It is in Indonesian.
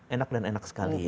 enak dan enak sekali ya kan